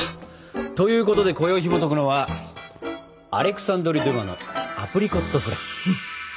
ということでこよいひもとくのは「アレクサンドル・デュマのアプリコットフラン」。